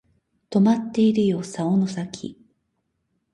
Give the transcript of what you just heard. とまっているよ竿の先